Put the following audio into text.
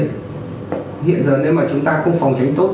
hiện giờ nếu mà chúng ta không phòng tránh tốt